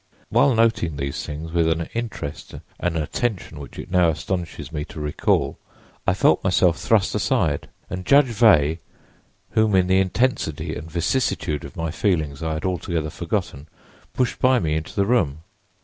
"While noting these things with an interest and attention which it now astonishes me to recall I felt myself thrust aside, and Judge Veigh, whom in the intensity and vicissitudes of my feelings I had altogether forgotten, pushed by me into the room.